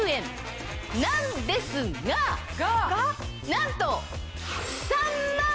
なんと。